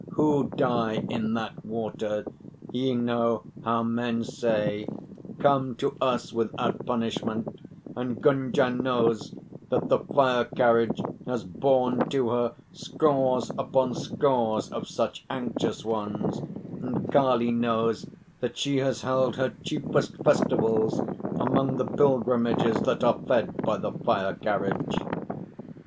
Who die in that water ye know how men say come to us without punishment, and Gunga knows that the fire carriage has borne to her scores upon scores of such anxious ones; and Kali knows that she has held her chiefest festivals among the pilgrimages that are fed by the fire carriage.